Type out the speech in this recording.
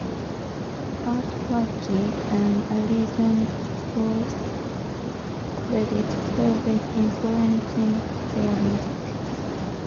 Art Blakey and Ellington both credited Webb with influencing their music.